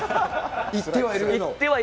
いってはいるの？